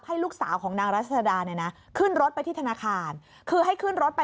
ลูกสาวของนางรัศดาเนี่ยนะขึ้นรถไปที่ธนาคารคือให้ขึ้นรถไป